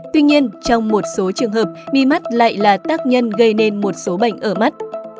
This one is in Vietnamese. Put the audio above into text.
tuy nhiên trong một số trường hợp mi mắt lại là tác nhân gây nên một số bệnh ở mắt